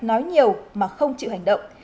nói nhiều mà không chịu hành động